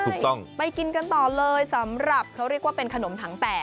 ถูกต้องไปกินกันต่อเลยสำหรับเขาเรียกว่าเป็นขนมถังแตก